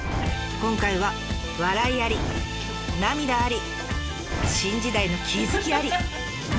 今回は笑いあり涙あり新時代の気付きあり。